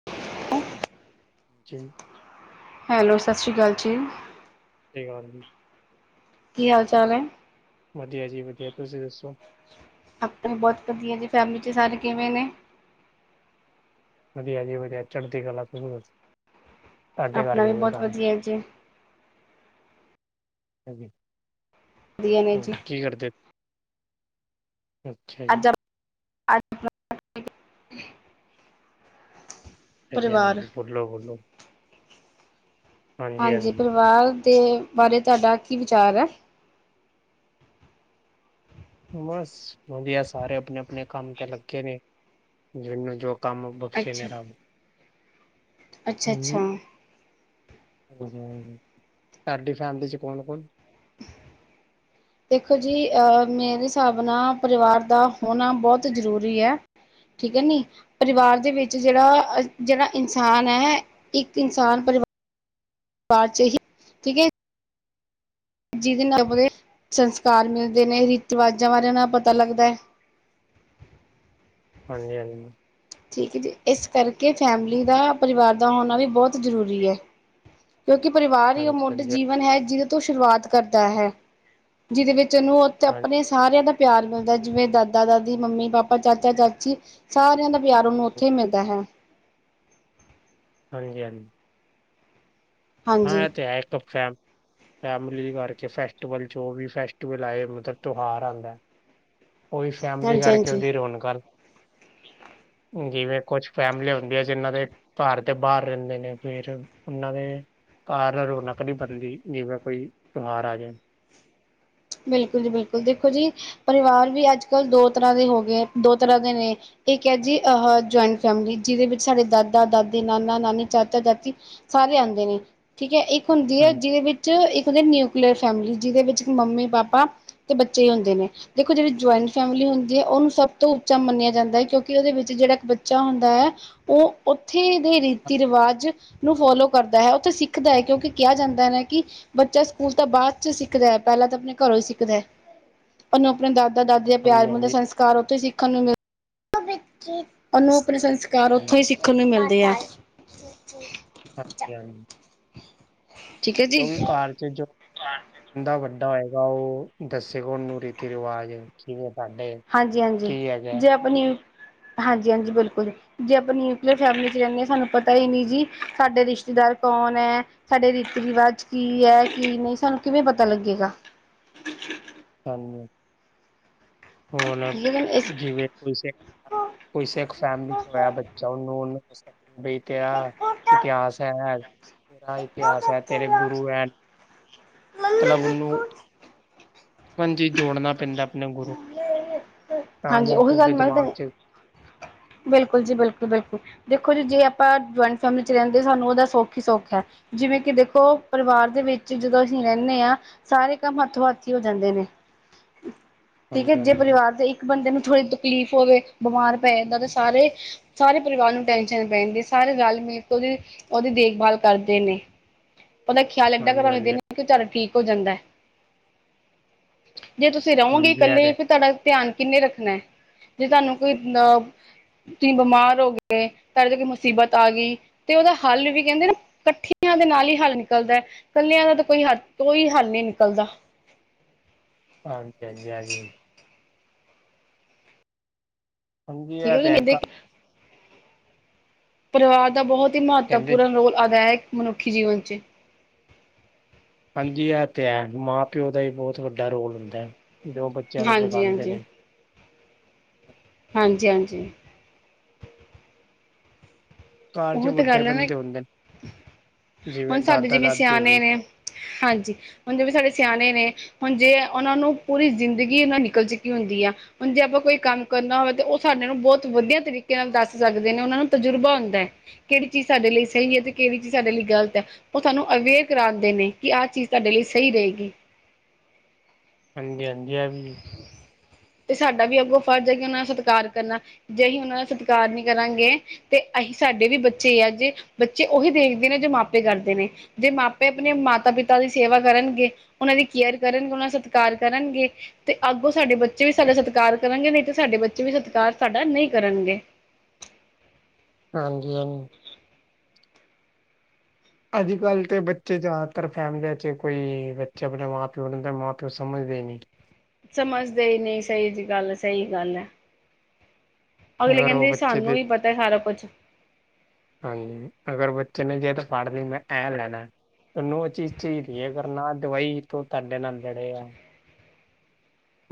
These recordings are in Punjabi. [unintelligible] ਜੀ। ਹੈਲੋ ਸਸ ਸੀ ਕਾਲ ਜੀ। ਸਸ ਸੀ ਕਾਲ ਜੀ। ਕੀ ਹਾਲ ਚਾਲ ਐ? ਵਧੀਆ ਜੀ ਵਧੀਆ, ਤੁਸੀਂ ਦੱਸੋ? ਆਪਣੇ ਬਹੁਤ ਵਧੀਆ ਜੀ, ਫੈਮਿਲੀ ਚ ਸਾਰੇ ਕਿਵੇਂ ਨੇ? ਵਧੀਆ ਜੀ ਵਧੀਆ ਚੜ੍ਹਦੀ ਕਲਾ ਆ, ਤੁਹਾਡੇ ਆਪਣਾ ਵੀ ਕਿਵੇਂ ਨੇ ਬਹੁਤ ਸਾਰੇ? ਵਧੀਆ ਜੀ ਹਾਂਜੀ, ਵਧੀਆ ਨੇ ਜੀ ਹੋਰ ਕੀ ਕਰਦੇ? ਅੱਛਾ ਜੀ। ਅੱਜ [unintelligible] ਹਾਂਜੀ ਪਰਿਵਾਰ ਹਾਂਜੀ ਬੋਲੋ ਬੋਲੋ। ਹਾਂਜੀ ਪਰਿਵਾਰ ਦੇ ਬਾਰੇ ਤੁਹਾਡਾ ਕੀ ਵਿਚਾਰ ਐ? ਬਸ ਵਧੀਆ ਸਾਰੇ ਆਪਣੇ ਆਪਣੇ ਕੰਮ ਤੇ ਲੱਗੇ ਨੇ, ਮੈਨੂੰ ਜੋ ਕੰਮ ਬਖਸ਼ੇ ਅੱਛਾ ਨੇ ਰੱਬ, ਅੱਛਾ ਅੱਛਾ ਹਾਂਜੀ। ਵਧੀਆ ਵਧੀਆ ਤੁਹਾਡੀ ਫੈਮਲੀ ਚ ਕੌਣ ਕੌਣ? ਦੇਖੋ ਜੀ ਅਹ ਮੇਰੇ ਹਿਸਾਬ ਨਾਲ ਪਰਿਵਾਰ ਦਾ ਹੋਣਾ ਬਹੁਤ ਜ਼ਰੂਰੀ ਐ। ਠੀਕ ਆ ਕਿ ਨੀ। ਪਰਿਵਾਰ ਦੇ ਵਿੱਚ ਜਿਹੜਾ ਜਿਹੜਾ ਇਨਸਾਨ ਐ ਇੱਕ ਇਨਸਾਨ ਪਰਿ ਪਰਿਵਾਰ ਚ ਹੀ ਠੀਕ ਐ। ਜਿਹਦੇ ਨਾਲ ਆਪਣੇ ਸੰਸਕਾਰ ਮਿਲਦੇ ਨੇ, ਰੀਤ-ਰਿਵਾਜਾਂ ਬਾਰੇ ਉਹਨਾਂ ਦਾ ਪਤਾ ਲੱਗਦਾ। ਹਾਂਜੀ ਹਾਂਜੀ। ਠੀਕ ਐ ਜੀ, ਇਸ ਕਰਕੇ ਫੈਮਿਲੀ ਦਾ ਪਰਿਵਾਰ ਦਾ ਹੋਣਾ ਵੀ ਬਹੁਤ ਜ਼ਰੂਰੀ ਐ। ਕਿਉਂਕਿ ਪਰਿਵਾਰ ਹੀ ਉਹ ਹਾਂਜੀ ਮੁੱਢ ਹਾਂਜੀ ਹਾਂਜੀ ਜੀਵਨ ਹੈ, ਜਿਹਦੇ ਤੋਂ ਸ਼ੁਰੂਆਤ ਕਰਦਾ ਹੈ, ਜਿਹਦੇ ਵਿੱਚ ਉਹਨੂੰ ਆਪਣੇ ਸਾਰਿਆਂ ਦਾ ਪਿਆਰ ਮਿਲਦਾ ਜਿਵੇਂ ਦਾਦਾ-ਦਾਦੀ, ਮੰਮੀ-ਪਾਪਾ, ਚਾਚਾ-ਚਾਚੀ। ਸਾਰਿਆਂ ਦਾ ਪਿਆਰ ਉਹਨੂੰ ਉੱਥੇ ਹੀ ਮਿਲਦਾ ਹੈ ਹਾਂਜੀ- ਹਾਂਜੀ। ਹਾਂ ਹਾਂਜੀ ਐ ਤੇ ਹੈ ਇੱਕ ਫੈਮ ਫੈਮਲੀ ਕਰਕੇ ਫੈਸਵਲ ਜੋ ਵੀ ਫੈਸਵਲ ਆਏ ਮਤਲਬ ਤਿਉਹਾਰ ਆਂਦਾ ਉਹੀ ਫੈਮਿਲੀ ਕਰਕੇ ਉਹਦੀ ਰੋਣਕ ਠੀਕ ਹੈ ਜਿਵੇਂ ਕੁਛ ਫੈਮਲੀ ਹੁੰਦੀਆਂ ਹੈ ਜਿਹਨਾਂ ਦੇ ਘਰ ਦੇ ਬਾਹਰ ਰਹਿੰਦੇ ਨੇ, ਫਿਰ ਉਹਨਾਂ ਦੇ ਘਰ ਰੌਣਕ ਨਹੀਂ ਬਣਦੀ, ਜਿਵੇਂ ਕੋਈ ਤਿਉਹਾਰ ਆ ਜਾਵੇ। ਬਿਲਕੁਲ ਜੀ ਬਿਲਕੁਲ ਦੇਖੋ ਜੀ, ਪਰਿਵਾਰ ਵੀ ਅੱਜ- ਕੱਲ੍ਹ ਦੋ ਤਰ੍ਹਾਂ ਦੇ ਹੋ ਗਏ, ਦੋ ਤਰ੍ਹਾਂ ਦੇ ਨੇ ਇੱਕ ਹੈ ਜੀ ਅਹ ਜੁਆਇੰਟ ਫੈਮਿਲੀ, ਜਿਹਦੇ ਵਿੱਚ ਸਾਡੇ ਦਾਦਾ- ਦਾਦੀ, ਨਾਨਾ- ਨਾਨੀ, ਚਾਚਾ- ਚਾਚੀ ਸਾਰੇ ਆਂਦੇ ਨੇ ਠੀਕ ਐ ਇੱਕ ਹੁੰਦੀ ਹੈ ਹਾਂਜੀ ਜਿਹਦੇ ਵਿੱਚ ਇੱਕ ਹੁੰਦਾ ਨਿਊਕਲੀਅਰ ਫੈਮਿਲੀ, ਜਿਹਦੇ ਵਿੱਚ ਮੰਮੀ ਪਾਪਾ ਤੇ ਬੱਚੇ ਹੀ ਹੁੰਦੇ ਨੇ। ਦੇਖੋ ਜਿਹੜੀ ਜੁਆਇੰਟ ਫੈਮਿਲੀ ਹੁੰਦੀ ਹੈ ਉਹਨੂੰ ਸਭ ਤੋਂ ਉੱਚਾ ਮੰਨਿਆ ਜਾਂਦਾ ਐ, ਿਉਂਕਿ ਉਹਦੇ ਵਿੱਚ ਜਿਹੜਾ ਇੱਕ ਬੱਚਾ ਹੁੰਦਾ ਹੈ ਉਹ ਉੱਥੇ ਦੇ ਰੀਤੀ ਰਿਵਾਜ ਨੂੰ ਫੋਲੋ ਕਰਦਾ ਐ, ਓਥੇ ਸਿੱਖਦਾ ਹੈ ਕਿਉਂਕਿ ਕਿਹਾ ਜਾਂਦਾ ਹੈ ਕਿ ਬੱਚਾ ਸਕੂਲ ਤਾਂ ਬਾਦ ਚ ਸਿੱਖਦਾ ਐ, ਪਹਿਲਾਂ ਤਾਂ ਆਪਣੇ ਘਰੋਂ ਹੀ ਸਿੱਖਦਾ ਐ, ਉਹਨੂੰ ਆਪਣੇ ਦਾਦਾ -ਦਾਦੀ ਦਾ ਹਾਂਜੀ ਪਿਆਰ ਮਿਲੇ, ਹਾਂਜੀ ਸੰਸਕਾਰ ਉੱਥੋਂ ਹੀ ਸਿੱਖਣ ਨੂੰ ਮਿਲਦਾ ਉਨੂੰ ਆਪਣੇ ਸੰਸਕਾਰ ਹਾਂਜੀ ਉੱਥੋਂ ਹੀ ਸਿੱਖਣ ਨੂੰ ਮਿਲਦੇ ਆ ਹਾਂਜੀ -ਹਾਂਜੀ ਠੀਕ ਹੈ ਜੀ ਕਿਉਂਕਿ ਘਰ ਚ ਜੋ ਬੰਦਾ ਵੱਡਾ ਹੋਏਗਾ, ਓ ਦੱਸੇਗਾ ਉਹ ਨੂੰ ਰੀਤੀ ਰਿਵਾਜ ਕਿਵੇਂ ਤੁਡੇ ਹਾਂਜੀ -ਹਾਂਜੀ ਜੇ ਆਪਣੀ, ਹਾਂਜੀ -ਹਾਂਜੀ ਬਿਲਕੁਲ ਜੀ ਜੇ ਆਪਾਂ ਨਿਊਕਲੀਅਰ ਫੈਮਿਲੀ ਚ ਰਹਿੰਦੇ ਹਾਂ ਸਾਨੂੰ ਪਤਾ ਹੀ ਨੀ ਜੀ ਸਾਡੇ ਰਿਸ਼ਤੇਦਾਰ ਕੌਣ ਹੈ ਸਾਡੇ ਰੀਤੀ ਰਿਵਾਜ ਕੀ ਹੈ, ਕੀ ਨਹੀਂ, ਸਾਨੂੰ ਕਿਵੇਂ ਪਤਾ ਲੱਗੇਗਾ? ਹਾਂਜੀ, ਹੁਣ ਠੀਕ ਹੈ ਇਸ ਜਿਵੇਂ ਕੋਈੇ ਕੋਈ ਸਿੱਖ ਫੈਮਲੀ ਚ ਹੋਇਆ ਬੱਚਾ, ਉਹਨੂੰ -ਉਹਨੂੰ ਦ ਬ ਤੇਰਾ ਇਤਿਹਾਸ ਹੈ ਤੇਰਾ ਇਤਿਹਾਸ ਐ, ਤੇਰੇ ਗੁਰੂ ਐ, ਮਤਲਬ ਉਹਨੂੰ ਹਾਂਜੀ, ਜੋੜਨਾ ਪੈਂਦਾ ਆਪਣੇ ਗੁਰੂ, ਤਾਂ ਹਾਂਜੀ ਜਾ ਕੇ ਉਹੀ ਉਹਦੇ ਗੱਲ ਦਿਮਾਗ ਮੈਂ ਚ ਬਿਲਕੁਲ ਜੀ, ਬਿਲਕੁਲ-ਬਿਲਕੁਲ। ਦੇਖੋ, ਜੀ ਜੇ ਆਪਾਂ ਜੁਆਇੰਟ ਫੈਮਿਲੀ ਚ ਰਹਿੰਦੇ ਸਾਨੂੰ ਉਹਦਾ ਸੁੱਖ ਹੀ ਸੁੱਖ ਏ ਜਿਵੇਂ ਕਿ ਦੇਖੋ, ਪਰਿਵਾਰ ਦੇ ਵਿੱਚ ਜਦੋਂ ਅਸੀਂ ਰਹਿੰਨੇ ਆਂ ਸਾਰੇ ਕੰਮ ਹੱਥੋਂ-ਹੱਥ ਹੀ ਹੋ ਜਾਂਦੇ ਨੇ ਠੀਕ ਐ, ਹਾਂਜੀ ਜੇ ਹਾਂਜੀ ਪਰਿਵਾਰ ਦੇ ਇੱਕ ਬੰਦੇ ਨੂੰ ਥੋੜ੍ਹੀ ਤਕਲੀਫ਼ ਹੋਵੇ, ਬਿਮਾਰ ਪੈ ਜਾਂਦਾ ਤੇ ਸਾਰੇ-ਸਾਰੇ ਪਰਿਵਾਰ ਨੂੰ ਟੈਂਨਸ਼ਨ ਪੈਂ ਜਾਂਦੀ, ਸਾਰੇ ਰਲ-ਮਿਲ ਕੇ ਉਹਦੀ ਉਹਦੀ ਦੇਖਬਾਲ ਕਰਦੇ ਨੇ। ਉਹਦਾ ਖਿਆਲ ਇੱਦਾਂ ਕਿ ਹਾਂਜੀ ਤੁਹਾਨੂੰ ਹਾਂਜੀ ਦਿਨ ਕਿ ਚੱਲ ਠੀਕ ਹੋ ਜਾਂਦਾ, ਜੇ ਤੁਸੀਂ ਤੁਸੀ ਰਹੋਂਗੇ ਹਾਂਜੀ ਇਹ ਤੇ ਕੱਲੇ, ਫਿਰ ਤੁਹਾਡਾ ਧਿਆਨ ਕਿੰਨੇ ਰੱਖਣਾ, ਜੇ ਤੁਹਾਨੂੰ ਕੋਈ ਅ ਤੁਸੀਂ ਬਿਮਾਰ ਹੋ ਗਏ, ਤੁਹਾਡੇ ਤੋਂ ਕੋਈ ਮੁਸੀਬਤ ਆ ਗਈ ਤੇ ਉਹਦਾ ਹੱਲ ਵੀ ਕਹਿੰਦੇ ਨਾ, ਇਕੱਠੀਆਂ ਦੇ ਨਾਲ ਹੀ ਹੱਲ ਨਿਕਲਦਾ ਕੱਲਿਆਂ ਦਾ ਤਾਂ ਕੋਈ ਹ, ਕੋਈ ਹੱਲ ਨੀ ਨਿਕਲਦਾ। ਹਾਂਜੀ-ਹਾਂਜੀ, ਹਾਂਜੀ। ਹਾਂਜੀ ਠੀਕ ਐ ਹੈ ਕਿ ਤੇ ਨਹੀਂ ਹੈਗਾ। ਦੇਖ ਪਰਿਵਾਰ ਦਾ ਬਹੁਤ ਹੀ ਕਹਿੰਦੇ ਮਹੱਤਵਪੂਰਨ ਰੋਲ ਅਦਾ ਹੈ, ਇਕ ਮਨੁੱਖੀ ਜੀਵਨ' ਚ। ਹਾਂਜੀ, ਇਹ ਤੇ ਐ, ਮਾਂ-ਪਿਓ ਦਾ ਹੀ ਬਹੁਤ ਵੱਡਾ ਰੋਲ ਹੁੰਦਾ ਹੈ ਜੋ, ਬੱਚਿਆਂ ਨੂੰ ਹਾਂਜੀ ਸਿਖਾਂਦੇ ਹਾਂਜੀ ਨੇ। ਹਾਂਜੀ-ਹਾਂਜੀ। ਘਰ ਚ ਔਹੋ ਤੇ ਵੱਡੇ ਗੱਲ ਹੈ ਨਾ ਬੰਦੇ ਹੁੰਦੇ ਨੇ ਜਿਵੇਂ ਹੁਣ, ਸਾਡੇ ਦਾਦਾ ਜਿਵੇਂ ਦਾਦੀ ਹੋ ਸਿਆਣੇ ਗਏ ਨੇ ਹਾਂਜੀ, ਹੁਣ ਜਿਵੇਂ ਸਾਡੇ ਸਿਆਣੇ ਨੇ ਹੁਣ ਜੇ ਉਹਨਾਂ ਨੂੰ ਪੂਰੀ ਜ਼ਿੰਦਗੀ ਨਾਲ ਨਿਕਲ ਚੁੱਕੀ ਹੁੰਦੀ ਆ। ਹੁਣ, ਜੇ ਆਪਾਂ ਕੋਈ ਕੰਮ ਕਰਨਾ ਹੋਵੇ ਤਾਂ ਉਹ ਸਾਡੇ ਨੂੰ ਬਹੁਤ ਵਧੀਆ ਤਰੀਕੇ ਨਾਲ ਦੱਸ ਸਕਦੇ ਨੇ ਉਹਨਾਂ ਨੂੰ ਤਜੁਰਬਾ ਹੁੰਦਾ। ਕਿਹੜੀ ਚੀਜ਼ ਸਾਡੇ ਲਈ ਸਹੀ ਹੈ ਤੇ ਕਿਹੜੀ ਚੀਜ਼ ਸਾਡੇ ਲਈ ਗਲਤਏ। ਉਹ ਤੁਹਾਨੂੰ ਅਵੇਅਰ ਕਰਾਂਦੇ ਨੇ, ਕਿ ਆਹ ਚੀਜ਼ ਤੁਹਾਡੇ ਲਈ ਸਹੀ ਰਹੇਗੀ। ਹਾਂਜੀ-ਹਾਂਜੀ ਆ ਵੀ। ਤੇ ਸਾਡਾ ਵੀ ਅੱਗੋਂ ਫਰਜ਼ ਹੈ ਕਿ ਉਹਨਾਂ ਦਾ ਸਤਿਕਾਰ ਕਰਨਾ। ਜੇ ਅਸੀਂ ਉਹਨਾਂ ਦਾ ਸਤਿਕਾਰ ਨਹੀਂ ਕਰਾਂਗੇ ਤੇ ਅਸੀਂ ਸਾਡੇ ਵੀ ਬੱਚੇ ਆ ਜੇ ਬੱਚੇ ਉਹੀ ਦੇਖਦੇ ਨੇ, ਜੋ ਮਾਪੇ ਕਰਦੇ ਨੇ। ਜੇ ਮਾਪੇ ਆਪਣੇ ਮਾਤਾ ਪਿਤਾ ਦੀ ਸੇਵਾ ਕਰਨਗੇ ਉਹਨਾਂ ਦੀ ਕੇਅਰ ਕਰਨਗੇ, ਉਹਨਾਂ ਦਾ ਸਤਿਕਾਰ ਕਰਨਗੇ ਤੇ ਅੱਗੋਂ ਸਾਡੇ ਬੱਚੇ ਬੱਚੇ ਵੀ ਸਾਡਾ ਸਤਿਕਾਰ ਕਰਨਗੇ। ਨਹੀਂ ਤੇ, ਸਾਡੇ ਬੱਚੇ ਵੀ ਸਤਿਕਾਰ ਸਾਡਾ ਨਹੀਂ ਕਰਨਗੇ। ਹਾਂਜੀ-ਹਾਂਜੀ। ਅੱਜ-ਕੱਲ ਤਾਂ ਬੱਚੇ ਜ਼ਿਆਦਾਤਰ ਫੈਮਲੀਆਂ ਚ ਕੋਈ ਬੱਚੇ, ਆਪਣੇ ਮਾਂ ਪਿਓ ਨੂੰ ਤਾਂ ਮਾਂ-ਪਿਓ ਸਮਝਦੇ ਨਹੀਂ। ਸਮਝਦੇ ਹੀ ਨਹੀਂ, ਸਹੀ ਜਿਹੀ ਗੱਲ, ਸਹੀ ਗੱਲਏ। ਅਗਲੇ ਅਗਰ ਉਹ ਕਹਿੰਦੇ, ਬੱਚੇ ਸਾਨੂੰ ਦੇ ਹੀ ਪਤਾ ਸਾਰਾ ਕੁਛ। ਹਾਂਜੀ ਅਗਰ ਬੱਚੇ ਨੇ ਜੇ ਤਾਂ ਪੜ੍ਹ ਲਈ ਮੈਂ, ਐਂ ਲੈਣਾ, ਤੈਨੂੰ ਉਹ ਚੀਜ਼ ਚਾਹੀਦੀ ਏ, ਅਗਰ ਨਾ ਦਵਾਈ ਤੋਂ ਤੁਹਾਡੇ ਨਾਲ ਲੜੇਆ। [inaudible]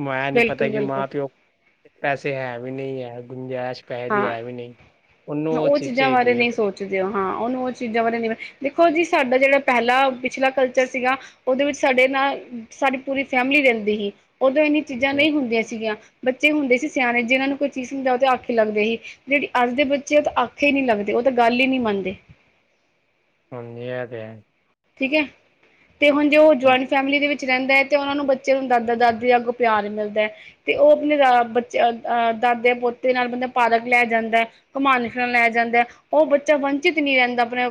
ਓਹਨੂੰ ਏਹ ਪਤਾ ਬਿਲਕੁਲ ਹੀਨੀ ਬਿਲਕੁਲ ਮਾਂ ਪਿਓ, ਪੈਸੇ ਹੈ ਵੀ ਨਹੀਂ ਹੈ ਗੁੰਜਾਇ ਪੈਸੇ ਹਾਂ ਹੈ ਵੀ ਨਹੀਂ, ਉਹਨੂੰ ਉਹ ਚੀ- ਪੁਚਦੇ ਹਾਂ। ਉਹਨੂੰ ਉਹ ਚੀਜ਼ਾਂ ਬਾਰੇ ਨਹੀਂ ਦੇਖੋ ਜੀ, ਸਾਡਾ ਜਿਹੜਾ ਪਹਿਲਾ ਪਿਛਲਾ ਕਲਚਰ ਸੀਗਾ - ਉਹਦੇ ਵਿੱਚ ਸਾਡੇ ਨਾਲ ਸਾਡੀ ਪੂਰੀ ਫੈਮਿਲੀ ਰਹਿੰਦੀ ਸੀ। ਉਦੋਂ ਇੰਨੀ ਚੀਜ਼ਾਂ ਨਹੀਂ ਹੁੰਦੀਆਂ ਸੀਗੀਆਂ। ਬੱਚੇ ਹੁੰਦੇ ਸੀ ਸਿਆਣੇ, ਜਿਨਾਂ ਨੂੰ ਕੋਈ ਚੀਜ਼ ਸਮਝਾਓ ਤੇ ਆ ਲੱਗਦੇ ਹੀ। ਜਿਹੜੀ ਅੱਜ ਦੇ ਬੱਚੇ ਉਹ ਤਾਂ ਆਖੇ ਨਹੀਂ ਲੱਗਦੇ, ਉਹ ਤਾਂ ਗੱਲ ਹੀ ਨਹੀਂ ਮੰਨਦੇ। ਹਾਂਜੀ, ਇਹ ਤੇ ਹੈ। ਠੀਕਏ, ਤੇ ਹੁਣ ਜੋੇ ਹਾਂਜੀ ਜੁਆਇੰਟ ਫੈਮਿਲੀ ਦੇ ਵਿੱਚ ਰਹਿੰਦਾ ਹੈ ਤੇ, ਉਹ ਨੂੰ ਬੱਚੇ ਨੂੰ ਦਾਦਾ-ਦਾਦੀ ਅਗੋ ਪਿਆਰ ਮਿਲਦਾ ਹੈ ਤੇ ਉਹ ਆਪਣੇ ਦਾ ਬੱਚੇ ਅਹ ਦਾਦੇ-ਪੋਤੇ ਨਾਲ ਬੰਦਾ ਪਾਰਕ ਲੈ ਜਾਂਦਾ। ਘੁਮਾਨ, ਫਿਰਨ ਲੈ ਜਾਂਦਾ। ਉਹ ਬੱਚਾ ਵੰਚਿਤ ਨਹੀਂ ਰਹਿੰਦਾ ਆਪਣੇ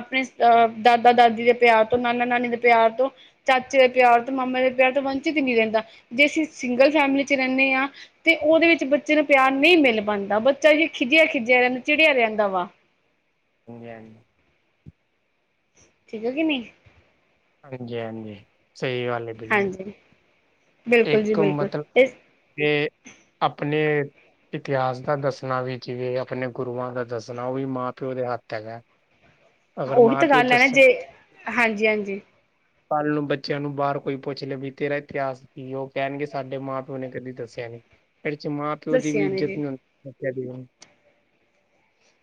ਆਪਣੇ ਅਹ ਦਾ ਦਾਦਾ-ਦਾਦੀ ਦੇ ਪਿਆਰ ਤੋਂ ਨਾਨਾ-ਨਾਨੀ ਦੇ ਪਿਆਰ ਤੋਂ। ਚਾਚੇ ਦਾ ਪਿਆਰ ਤੇ ਮਾਮੇ ਦਾ ਪਿਆਰ ਤਾਂ ਵੰਚਿਤ ਹੀ ਨਹੀਂ ਰਹਿੰਦਾ। ਜੇ ਅਸੀਂ ਸਿੰਗਲ ਫੈਮਿਲੀ ਚ ਰਹਿੰਦਿਆਂ ਤੇ ਉਹਦੇ ਵਿੱਚ ਬੱਚੇ ਨੂੰ ਪਿਆਰ ਨਹੀਂ ਮਿਲ ਪਾਂਦਾ। ਬੱਚਾ ਹੀ ਖਿਝਿਆ-ਖਿਝਿਆ ਰਹਿੰ, ਦਾ ਚਿੜਿਆ ਰਹਿੰਦਾ ਵਾ। ਹਾਂਜੀ, ਹਾਂਜੀ। ਠੀਕ ਹੈ ਕਿ ਨਹੀਂ ਹਾਂਜੀ, ਹਾਂਜੀ ਸਹੀ ਗੱਲ ਹੈ ਬਈ ਹਾਂਜੀ। ਬਿਲਕੁਲ ਜੀ ਇੱਕ ਬਿਲਕੁਲ ਮਤਲਬ ਇਸ ਜੇ ਆਪਣੇ ਇਤਿਹਾਸ ਦਾ ਦੱਸਣਾ ਵੀ ਜਿਵੇਂ ਆਪਣੇ ਗੁਰੂਆਂ ਦਾ ਦੱਸਣਾ ਉਹ ਵੀ ਮਾਂ ਪਿਓ ਦੇ ਹੱਥ ਹੈਗਾ। ਅਗਰ ਉਹੀ ਮਾਂ ਤਾਂ ਪਿਓ ਗੱਲ ਹੈ ਨਾ ਦੱਸਣ ਜੇ ਹਾਂਜੀ, ਹਾਂਜੀ। ਕੱਲ ਨੂੰ ਬੱਚਿਆਂ ਨੂੰ ਬਾਹਰ ਕੋਈ ਪੁੱਛ ਲੈ ਵੀ ਤੇਰਾ ਇਤਿਹਾਸ ਕੀ ਉਹ ਕਹਿਣਗੇ ਸਾਡੇ ਮਾਂ ਪਿਓ ਨੇ ਕਦੇ ਦੱਸਿਆ ਨੀ, ਏਦੇ ਚ ਮਾਂ ਪਿਓ ਦੀ ਵੀ ਦੱਸਿਆ ਨੇ ਇੱਜਤ ਜੀ ਨੀ ਹੁੰਦੀ। ਔਖਾ ਜੀਵਨ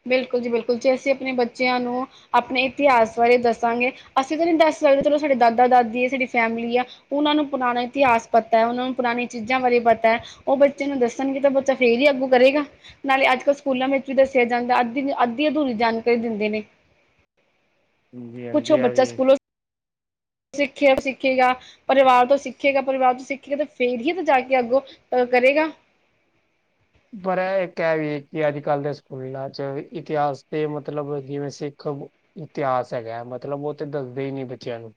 ਬਿਲਕੁਲ ਜੀ, ਬਿਲਕੁਲ ਜੀ। ਜੇ ਅਸੀਂ ਆਪਣੇ ਬੱਚਿਆਂ ਨੂੰ ਆਪਣੇ ਇਤਿਹਾਸ ਬਾਰੇ ਦੱਸਾਂਗੇ, ਅਸੀਂ ਤਾਂ ਨਹੀਂ ਦੱਸ ਸਕਦੇ ਚਲੋ ਸਾਡੇ ਦਾਦਾ ਦਾਦੀ ਆ ਸਾਡੀ ਫੈਮਿਲੀ ਆ। ਓਨਾਂ ਨੂੰ ਪੁਰਾਨਾ ਇਤਿਹਾਸ ਪਤੈ, ਓਨਾਂ ਨੂੰ ਪਰਾਨੀਆਂ ਚੀਜ਼ਾਂ ਬਾਰੇ ਪਤੈ। ਓ ਬੱਚੇ ਨੂੰ ਦੱਸਨਗੇ ਤਾਂ ਬੱਚਾ ਫੇਰ ਈ ਅੱਗੋ ਕਰੇਗਾ। ਨਾਲੇ ਅੱਜ-ਕੱਲ ਸਕੂਲਾਂ ਵਿੱਚ ਵੀ ਦਸ ਸਿਆ ਜਾਂਦੈ। ਅੱਧੀ ਨ। ਅੱਧੀ ਅਧੂਰੀ ਜਾਨਕਾਰੀ ਦਿੰਦੇ ਨੇ। ਹਜੀ, ਹਾਂਜੀ ਆ ਵੀ। ਸਿੱਖੇ, ਸਿੱਖੇਗਾ। ਪਰਿਵਾਰ ਤੋਂ ਸਿੱਖੇਗਾ, ਪਰਿਵਾਰ ਤੋਂ ਸਿੱਖੇਗਾ ਤੇ ਫੇਰ ਹੀ ਤ ਜਾ ਕੇ ਅੱਗੋਂ ਅ ਕਰੇਗਾ। ਪਰ ਐ ਏੱਕ ਐ ਵੀ ਏ ਕਿ ਅੱਜ-ਕੱਲ ਦੇ ਸਕੂਲਾਂ 'ਚ ਵੀ ਇਤਿਹਾਸ ਦੇ ਮਤਲਬ ਜਿਵੇਂ ਸਿੱਖ ਇਤਿਹਾਸ ਹੈਗੈ, ਮਤਲਬ ਓ ਤੇ ਦੱਸਦੇ ਈ ਨੀ ਐ ਬੱਚਿਆਂ ਨੂੰ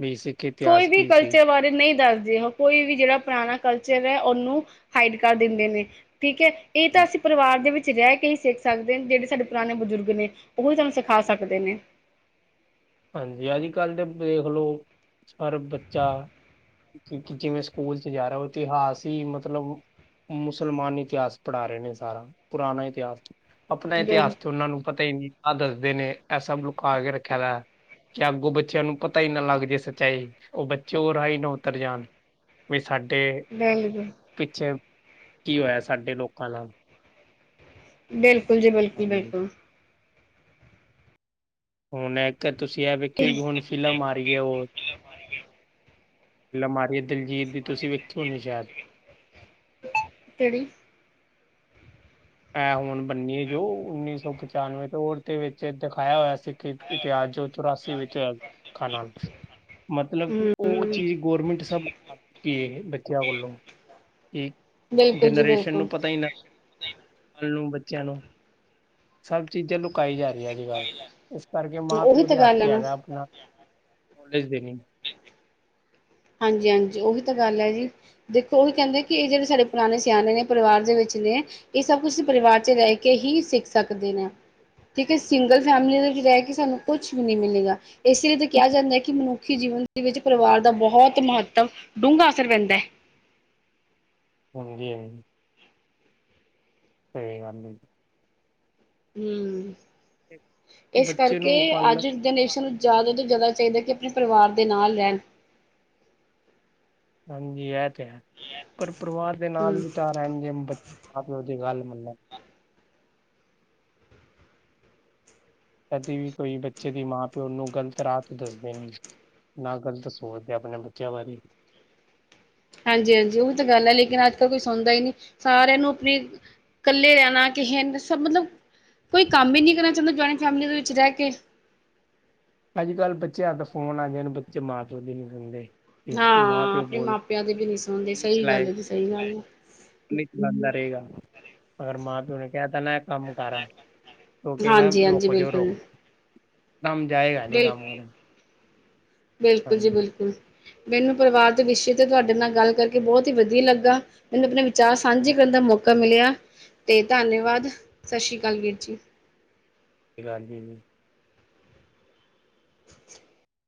ਵੀ ਸਿੱ ਕੋਈ ਵੀ ਕਲਚਰ ਬਾ ਰੇ ਨਈ ਦੱਸਦੇ ਓ ਕੋਈ ਵੀ ਜੜਾ ਪਰਾਨਾ ਕਲਚਰ ਐ ਓਨੂੰ ਹਾਈਡ ਕਰ ਦਿੰਦੇ ਨੇ। ਠੀਕ ਐ, ਏ ਤਾਂ ਅਸੀ ਪਰਿਵਾਰ ਦੇ ਵਿੱ ਚ ਰੈ ਕੇ ਹੀ ਸਿਖ ਸਕਦੇ ਆਂ। ਜੜੇ ਸਾਡੇ ਪੁਰਾਨੇ ਬਜੁਰਗ ਨੇ ਓਹੀ ਸਾਨੂੰ ਸਿਖਾ ਸਕਦੇ ਨੇ। ਹਾਂਜੀ, ਅੱਜ-ਕੱਲ ਦੇ ਬੇਖ ਲੋ ਹਰ ਬੱਚਾ ਕਿਉਂਕਿ ਜਿਵੇਂ ਸਕੂਲ 'ਚ ਜਾ ਰਾ ਓ ਇਤਿਹਾਸ ਹੀ ਮਤਲਬ ਮੁਸਲਮਾਨੀ ਇਤਿਹਾਸ ਪੜਾ ਰੇ ਨੇ ਸਾਰਾ, ਪੁਰਾਨਾ ਇਤਿਹਾਸ। ਆਪਨਾ ਬਿਲ ਇਤਿਹਾਸ ਤੇ ਓਨਾਂ ਨੂੰ ਪਤਾ ਈ ਨੀ। ਆ ਦੱਸਦੇ ਨੇ। ਐ ਸਭ ਲੁਕਾ ਕੇ ਰੱਖਿਆ ਦੈ। ਕਿ ਅੱਗੋ ਬੱਚਿਆਂ ਨੂੰ ਪਤਾ ਈ ਨਾ ਲੱਗ ਜੇ ਸੱਚਾਈ। ਓ ਬੱਚੇ ਓ ਰਾਹ ਈ ਨਾ ਉਤਰ ਜਾਨ। ਬਈ ਸਾਡੇ ਬਿਲਕੁਲ ਪਿੱਛੇ ਕੀ ਹੋਇਆ ਸਾਡੇ ਲੋਕਾਂ ਨਾਲ। ਬਿਲਕੁਲ ਜੀ, ਹਾਂਜੀ, ਬਿਲਕੁਲ-ਬਿਲਕੁਲ। ਹੂਨ ਐਕਾ ਤੁਸੀਂ ਐ ਵੇਖਿਓ ਕਿ ਹੂਨ ਫਿਲਮ ਆ ਰੀ ਏ ਓ ਫਿਲਮ ਆ ਰੀ ਏ ਦਿਲਜੀਤ ਦੀ ਤੁਸੀ ਵੇਖੀ ਹੋਨੀ ਏ ਸ਼ੈਦ। ਕੇੜੀ? ਐ ਹੂਨ ਬੰਨੀ ਏ ਜੋ ਉੱਨੀ ਸੌ ਪਚਾਨਵੇਂ ਦੌਰ ਦੇ ਵਿੱਚ ਦਖਾਇਆ ਹੋਇਆ ਸਿੱਖ ਇਤਿਹਾਸ ਜੋ ਚੁਰਾਸੀ ਵਿੱਚ ਹੋਇਆ ਸਿੱਖਾਂ ਨਾਲ। ਮਤਲਬ ਕਿ ਓਹ ਹਮ ਚੀਜ ਗੌਰਮੈਂਟ ਸਭ ਤੇ ਬੱਚਿਆਂ ਵਲੋਂ, ਏ ਬਿਲਕੁਲ ਜੀ ਜਨਰੇਸ਼ਨ ਨੂੰ ਬਿਲਕੁਲ ਪਤਾ ਈ ਨਾ ਕੱਲ ਨੂੰ ਬੱਚਿਆਂ ਨੂੰ ਸਭ ਚੀਜਾਂ ਲੁਕਾਈ ਜਾ ਰਈਆ ਅੱਜ-ਕੱਲ, ਏਸ ਕਰਕੇ ਮਾਂ ਉਹੀ ਪਿਓ ਤਾਂ ਦੇ ਗੱਲ ਹੱਥ ਹੈ ਈ ਨਾ ਹੈਗਾ ਆਪਨਾ ਨੋਲੇਜ ਦੇਨੀ। ਹਾਂਜੀ-ਹਾਂਜੀ ਓ ਵੀ ਤਾਂ ਗੱਲ ਐ ਜੀ। ਦੇਖੋ ਓਹੀ ਕੈਂਦੇ ਕਿ ਏ ਜੜੇ ਸਾਡੇ ਪਰਾਨੇ ਸਿਆਨੇ ਨੇ, ਪਰਿਵਾਰ ਦੇ ਵਿੱਚ ਨੇ ਏ ਸਭ ਤੁਸੀ ਪਰਿਵਾਰ 'ਚ ਰੈ ਕੇ ਹੀ ਸਿਖ ਸਕਦੇ ਨ। ਕਿਉੰਕਿ ਸਿੰਗਲ ਫੈਮਲੀ ਦੇ ਵਿੱਚ ਰੈ ਕੇ ਸਾਨੂੰ ਕੁਛ ਵੀ ਨੀ ਮਿਲੇਗਾ। ਏਸੀ ਲਈ ਤੇ ਕਿਆ ਜਾਂਦਾ ਐ ਕਿ ਮਨੁੱਖੀ ਜੀਵਨ ਦੇ ਵਿੱਚ ਪਰਿਵਾਰ ਦਾ ਬੋਹੋ ਤ ਮਹੱਤਵ, ਡੂੰਘਾ ਅਸਰ ਪੈਂਦੈ। ਹਾਂਜੀ-ਹਾਂਜੀ। ਸਈ ਗੱਲ ਈ। ਹੂੰ, ਜੀ। ਏਸ ਬੱਚੇ ਕਰਕੇ ਨੂੰ ਪਾਲਣ ਅੱਜ ਜਨਰੇਸ਼ਨ ਜਿਆਦਾ ਤੋਂ ਜਿਆਦਾ ਚਾਈਦੈ ਕਿ ਆਪਨੇ ਪਰਿਵਾਰ ਦੇ ਨਾਲ ਰੈਨ। ਹਾਂਜੀ ਐ ਤੇ ਹੈ ਪਰ ਪਰਿਵਾਰ ਦੇ ਨਾਲ ਹਮ ਵੀ ਤਾ ਹਾਂਜੀ ਅੰ ਬੱਚ ਮਾਂ ਪਿਓ ਦੀ ਗੱਲ ਮੰਨਨ। ਕਦੀ ਵੀ ਕੋਈ ਬੱਚੇ ਦੀ ਮਾਂ ਪਿਓ ਓਨੂੰ ਗਲਤ ਰਾਹ ਤੇ ਦੱਸਦੇ ਨੀ ਨਾ ਗਲਤ ਸੋਚਦੇ ਆ ਆਪਨੇ ਬੱਚਿਆਂ ਬਾਰੇ। ਹਾਂਜੀ-ਹਾਂਜੀ ਓ ਵੀ ਤਾਂ ਗੱਲ ਐ ਲੇਕਿਨ ਅੱਜ-ਕੱਲ ਕੋਈ ਸੁਨਦਾ ਈ ਨੀ। ਸਾਰਿਆਂ ਨੂੰ ਆਪਨੀ ਕੱਲੇ ਰੈਨਾ ਕਿਸ਼ੇ ਨ ਸਭ ਮਤਲਬ ਕੋਈ ਕੰਮ ਈ ਨੀ ਕਰਨਾ ਚਾਂਦਾ ਜੁਆਇੰਡ ਫੈਮਲੀ ਦੇ ਵਿੱਚ ਰੈ ਕੇ। ਅੱਜ-ਕੱਲ੍ਹ ਬੱਚੇ ਹੱਥ ਫੋਨ ਆਗੇ ਨੇ ਬੱਚੇ ਮਾਂ-ਪਿਓ ਦੀ ਨੀ ਸੁਣਦੇ। ਤੇ ਹਾ, ਮਾਂ ਪਿਓ ਆਪਣੇ ਬੋਲ ਮਾਪਿਆਂ ਦੇ ਵੀ ਨਹੀਂ ਸੁਣਦੇ ਸਹੀ ਗੱਲ ਹੈ ਤੇ ਸਹੀ ਗੱਲ ਏ। ਨਿਤ ਭਣਦਾ ਰਹੇਗਾ, ਅਗਰ ਮਾਂ-ਪਿਓ ਨੇ ਕਿਹਾ ਤਾਂ ਨਾ। ਕੰਮ ਕਾਰਾ ਉ ਹੈ ਕਹੇਗਾ ਹਾਂਜੀ ਹਾਂਜੀ ਰੋਕੋ ਜੋ ਬਿਲਕੁਲ ਰੋਕੋ ਕੰਮ ਜਾਏਗਾ ਨੀ ਬਿਲਕੁਲ ਕੰਮ ਕਰਨ। ਬਿਲਕੁਲ ਜੀ ਹਾਂਜੀ। ਬਿਲਕੁਲ, ਮੈਨੂੰ ਪਰਿਵਾਰ ਦੇ ਵਿਸ਼ੇ ਤੇ ਤੁਹਾਡੇ ਨਾਲ ਗੱਲ ਕਰਕੇ ਬਹੁਤ ਹੀ ਵਧੀਆ ਲੱਗਾ। ਮੈਨੂੰ ਆਪਣੇ ਵਿਚਾਰ ਸਾਂਝੇ ਕਰਨ ਦਾ ਮੌਕਾ ਮਿਲਿਆ, ਤੇ ਧੰਨਵਾਦ, ਸਤਿ ਸ੍ਰੀ ਅਕਾਲ ਵੀਰ ਜੀ। ਹਾਂਜੀ। [inaudible]